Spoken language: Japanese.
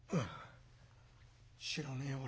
「知らねえ俺。